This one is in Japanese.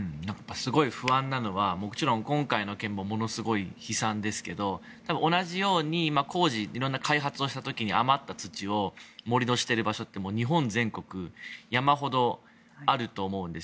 すごい不安なのはもちろん今回の件もものすごい悲惨ですけど同じように工事色んな開発をした時に余った土を盛り土している場所って日本全国山ほどあると思うんです。